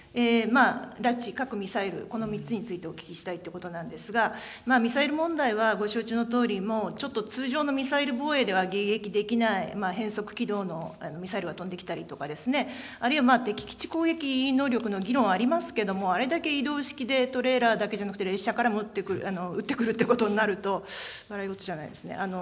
拉致、核、ミサイル、この３つについてお聞きしたいっていうことなんですが、ミサイル問題はご承知のとおり、ちょっと通常のミサイル防衛では迎撃できない、変則軌道のミサイルが飛んできたりとかですね、あるいは敵基地攻撃能力の議論ありますけれども、あれだけ移動式で、トレーラーだけじゃなくて、列車からも撃ってくる、打ってくるということになると、笑い事じゃないですね。